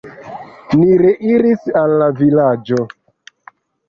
Ni reiris al la vilaĝo.